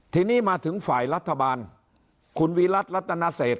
ทีนี้มาถึงฝ่ายรัฐบาลคุณวิรัติรัตนเศษ